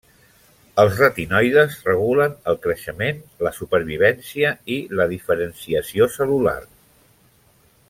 Els retinoides regulen el creixement, la supervivència i la diferenciació cel·lular.